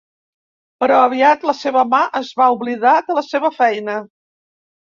Però aviat la seva mà es va oblidar de la seva feina.